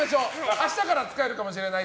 明日から使えるかもしれない！？